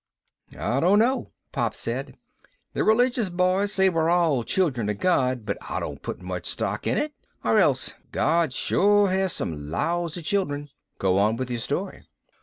"I don't know," Pop said. "The religious boys say we're all children of God. I don't put much stock in it or else God sure has some lousy children. Go on with your story."